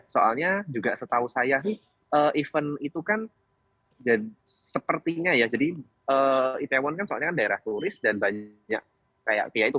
soalnya juga setahu saya sih event itu kan sepertinya ya jadi itaewon kan soalnya kan daerah turis dan banyak kayak itu